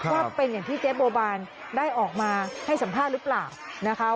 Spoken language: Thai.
ว่าเป็นอย่างที่เจ๊บัวบานได้ออกมาให้สัมภาษณ์หรือเปล่านะคะ